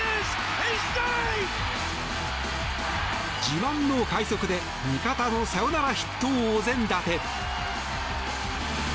自慢の快足で、味方のサヨナラヒットをお膳立て。